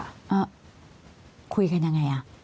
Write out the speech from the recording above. อ้าคุยกันอย่างไร